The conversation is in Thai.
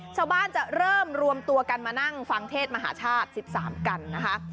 ชาวบ้านจะเริ่มรวมตัวกันมานั่งฟังเทศมหาชาติ๑๓กันนะคะ